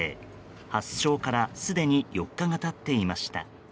発症からすでに４日が経っていました。